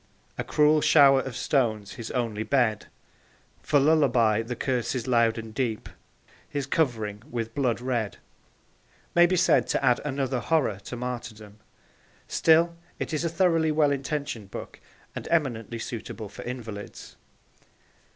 A cruel shower of stones his only bed, For lullaby the curses loud and deep, His covering with blood red may be said to add another horror to martyrdom. Still it is a thoroughly well intentioned book and eminently suitable for invalids.